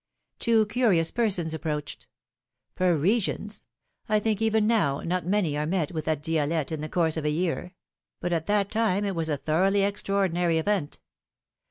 Two curious persons approached. Parisians ! I think even now not many are met with at Di^lette in the course of a year ; but, at that time, it was a thoroughly extraor dinary event.